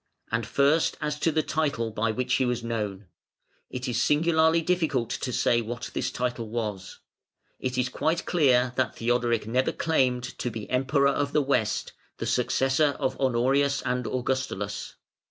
And first as to the title by which he was known. It is singularly difficult to say what this title was. It is quite clear that Theodoric never claimed to be Emperor of the West, the successor of Honorius and Augustulus.